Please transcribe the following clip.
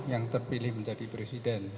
yang terpilih menjadi presiden